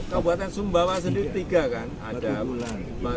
kabupaten sumbawa sendiri tiga kan ada